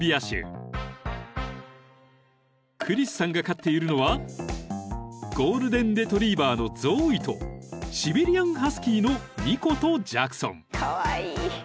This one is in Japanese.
［クリスさんが飼っているのはゴールデンレトリバーのゾーイとシベリアンハスキーのニコとジャクソン］